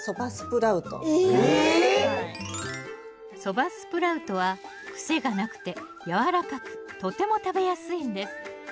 ソバスプラウトは癖がなくてやわらかくとても食べやすいんです。